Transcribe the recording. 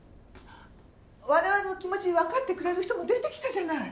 我々の気持ちわかってくれる人も出てきたじゃない！